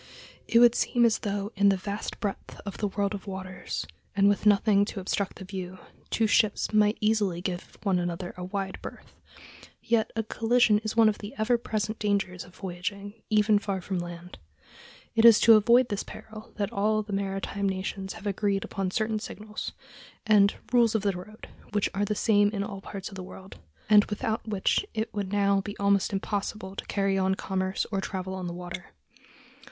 It would seem as though in the vast breadth of the "world of waters," and with nothing to obstruct the view, two ships might easily give one another a wide berth; yet a collision is one of the ever present dangers of voyaging, even far from land. It is to avoid this peril that all the maritime nations have agreed upon certain signals, and "rules of the road" which are the same in all parts of the world, and without which it would now be almost impossible to carry on commerce or travel on the water.